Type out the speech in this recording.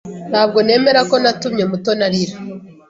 Ntabwo nemera ko natumye Mutoni arira.